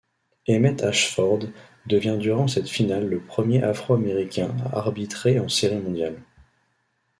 Emmett Ashford devient durant cette finale le premier Afro-Américain à arbitrer en Série mondiale.